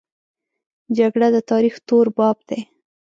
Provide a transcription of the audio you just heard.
جګړه د تاریخ تور باب دی